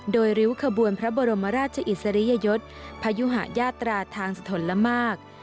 โดยริ้วขบวนพระบรมราชอิสริยยศพยุหะยาตราทางสถนละมาก